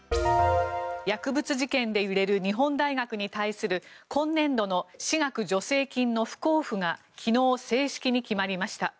薬物事件で揺れる日本大学に対する今年度の私学助成金の不交付が昨日、正式に決まりました。